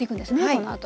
このあと。